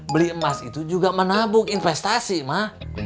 beli emas itu juga menabung investasi mah